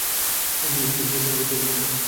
জি, please বসুন।